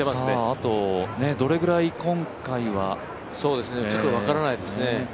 あとどれぐらい今回はちょっと分からないですね。